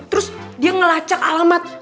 terus dia ngelacak alamat